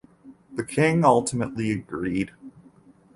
The king ultimately agreed.